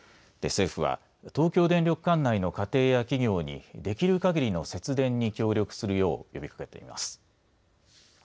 政府は東京電力管内の家庭や企業にできるかぎりの節電に協力するよう呼びかけています。